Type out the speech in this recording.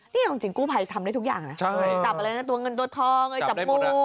นี่เอาจริงกู้ภัยทำได้ทุกอย่างนะจับอะไรนะตัวเงินตัวทองอะไรจับงู